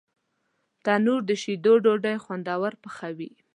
تنور د شیدو ډوډۍ خوندور پخوي